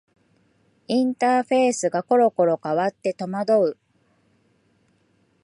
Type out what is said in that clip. インターフェースがころころ変わって戸惑う